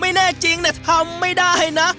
ไม่แน่จริงนะทำไม่ได้นะ